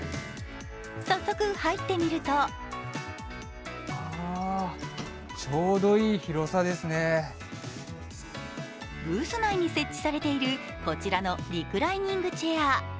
早速入ってみるとブース内に設置されているこちらのリクライニングチェア。